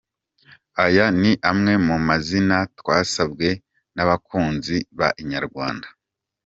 Aya ni amwe mu mazina twasabwe n’abakunzi ba inyarwanda.